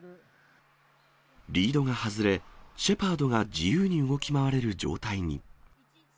リードが外れ、シェパードが自由に動き回れる状態に。